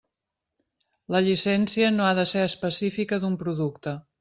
La llicència no ha de ser específica d'un producte.